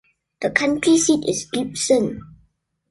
The county seat is Gibson.